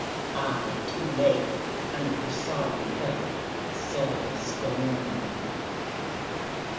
I, too late, Under her solemn fillet saw the scorn.